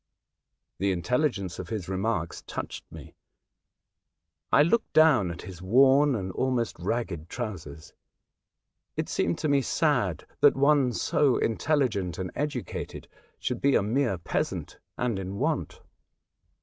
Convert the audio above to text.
The intelligence of his remarks touched me. I looked down at his worn and almost ragged trousers. It seemed to me sad that one so intelligent and educated should be a mere peasant and in want.